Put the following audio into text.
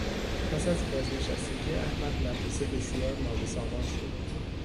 پس از بازنشستگی احمد مدرسه بسیار نابسامان شد.